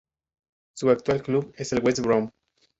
Su actual club es el West Brom.